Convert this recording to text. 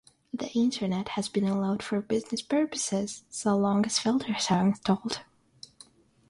The Internet has been allowed for business purposes so long as filters are installed.